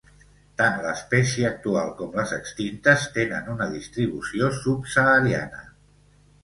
Tant l'espècie actual com les extintes tenen una distribució subsahariana.